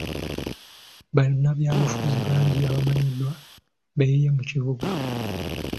Bannabyabufuzi bangi abamanyiddwa beeyiye mu kibuga.